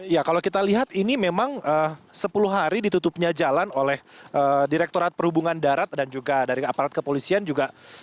ya kalau kita lihat ini memang sepuluh hari ditutupnya jalan oleh direkturat perhubungan darat dan juga dari aparat kepolisian juga